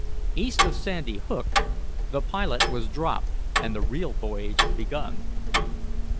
East of Sandy Hook the pilot was dropped and the real voyage begun.